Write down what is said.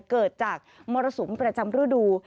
เกิดจากมรสุมประจำฤดู